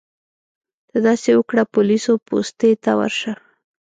ته داسې وکړه پولیسو پوستې ته ورشه.